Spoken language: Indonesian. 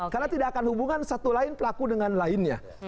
karena tidak akan hubungan satu pelaku dengan lainnya